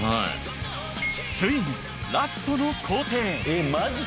ついにラストの工程。